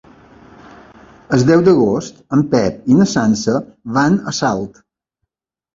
El deu d'agost en Pep i na Sança van a Salt.